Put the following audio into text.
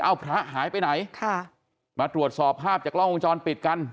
เอาพระหายไปไหนค่ะมาตรวจสอบภาพจากกล้องวงจรปิดกัน